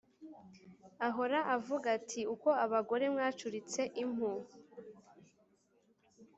Ahora avuga ati Uko abagore mwacuritse impu,